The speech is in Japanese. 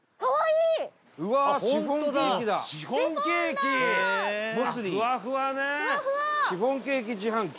伊達：シフォンケーキ自販機。